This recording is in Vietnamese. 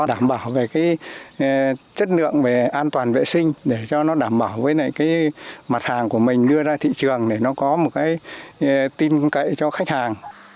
đảm bảo về cái chất lượng về an toàn vệ sinh để cho nó đảm bảo với cái mặt hàng của mình đưa ra thị trường để nó có một cái tin cậy cho khách hàng